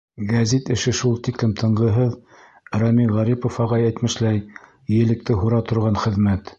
Гәзит эше шул тиклем тынғыһыҙ, Рәми Ғарипов ағай әйтмешләй, електе һура торған хеҙмәт.